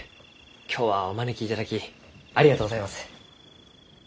今日はお招きいただきありがとうございます。